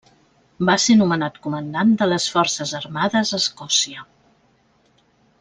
Va ser nomenat comandant de les forces armades a Escòcia.